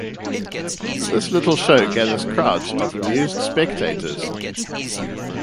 This little show gathers crowds of amused spectators.